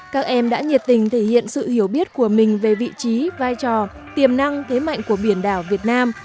các em đã nhiệt tình thể hiện sự hiểu biết của mình về vị trí vai trò tiềm năng thế mạnh của biển đảo việt nam